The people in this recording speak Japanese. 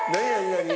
何？